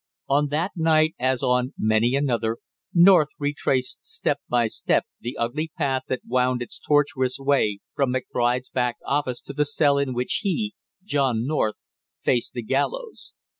On that night, as on many another, North retraced step by step the ugly path that wound its tortuous way from McBride's back office to the cell in which he John North faced the gallows.